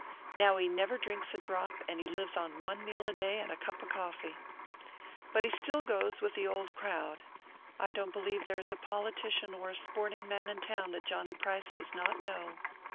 Now he never drinks a drop, and he lives on one meal a day and a cup of coffee. But he still goes with the old crowd I don't believe there is a politician or a sporting man in town that Johnny Price does not know.